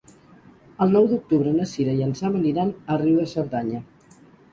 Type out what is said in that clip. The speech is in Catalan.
El nou d'octubre na Cira i en Sam aniran a Riu de Cerdanya.